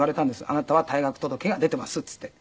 「あなたは退学届が出てます」って言って。